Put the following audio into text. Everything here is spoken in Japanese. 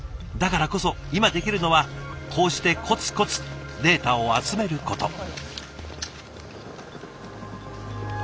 だからこそ今できるのはこうしてこつこつデータを集めること。